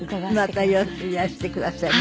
またいらしてくださいね。